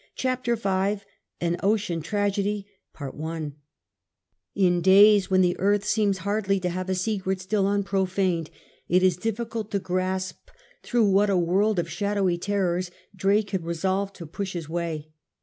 CHAPTER V AN OCEAN TRAGEDY In days when the earth seems hardly to have a secret still unprofaned, it is difficult to grasp through what a world of shadowy terrors Drake had resolved to push his way.